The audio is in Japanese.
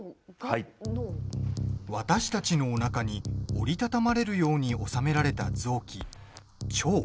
私たちのおなかに折り畳まれるように収められた臓器、腸。